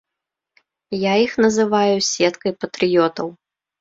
Я іх называю сеткай патрыётаў.